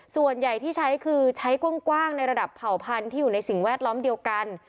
ส่วนใหญ่ที่ใช้คือใช้กว้างในระดับเผ่าพันธุ์ที่อยู่ในสิ่งแวดล้อมเดียวกัน